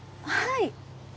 はい。